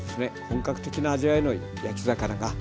本格的な味わいの焼き魚が。